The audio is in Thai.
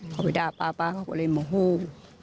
เขาไปด้าป๊าป๊าเขาก็เลยหม่อหู้